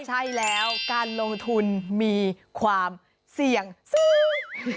ใช่แล้วการลงทุนมีความเสี่ยงสูง